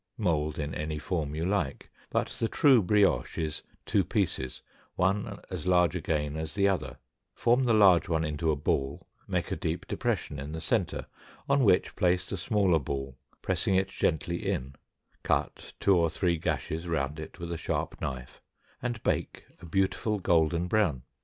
Mold in any form you like, but the true brioche is two pieces, one as large again as the other; form the large one into a ball, make a deep depression in the center, on which place the smaller ball, pressing it gently in; cut two or three gashes round it with a sharp knife, and bake a beautiful golden brown.